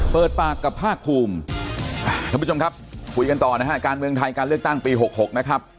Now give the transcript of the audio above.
เปิดปากกับภาคภูมิท่านผู้ชมครับคุยกันต่อนะฮะการเมืองไทยการเลือกตั้งปี๖๖นะครับ